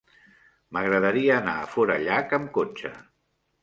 M'agradaria anar a Forallac amb cotxe.